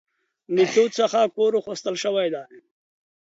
میتود څخه کار اخستل شوی دی.